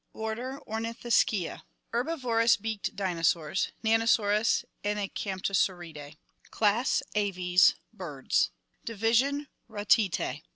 Order Ornithischia. Herbivorous beaked dinosaurs. Nanosaurus and the Camptosauridas. Class Aves. Birds Division Ratite.